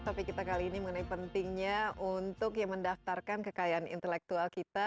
topik kita kali ini mengenai pentingnya untuk mendaftarkan kekayaan intelektual kita